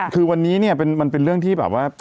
คือวันนี้เนี่ยมันเป็นเรื่องที่แบบว่า